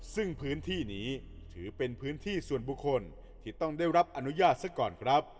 ซึ่งพื้นที่นี้ถือเป็นพื้นที่ส่วนบุคคลที่ต้องได้รับอนุญาตซะก่อนครับ